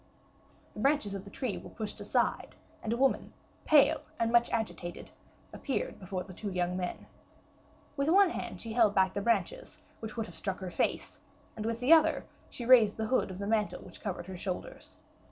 The branches of the tree were pushed aside, and a woman, pale and much agitated, appeared before the two young men. With one hand she held back the branches, which would have struck her face, and, with the other, she raised the hood of the mantle which covered her shoulders.